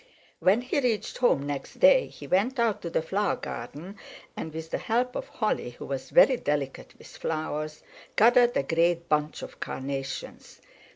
When he reached home next day he went out to the flower garden, and with the help of Holly, who was very delicate with flowers, gathered a great bunch of carnations.